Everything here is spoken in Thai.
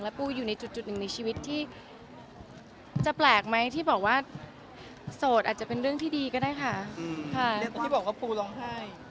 และปูอยู่ในจุดหนึ่งในชีวิตที่จะแปลกไหมที่บอกว่าโสดอาจจะเป็นเรื่องที่ดีก็ได้ค่ะ